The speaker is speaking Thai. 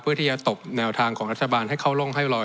ที่จะตบแนวทางของรัฐบาลให้เข้าร่องให้ลอย